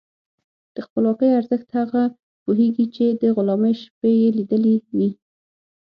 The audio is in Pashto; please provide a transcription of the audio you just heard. د خپلواکۍ ارزښت هغه پوهېږي چې د غلامۍ شپې یې لیدلي وي.